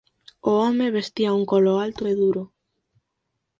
O home vestía un colo alto e duro.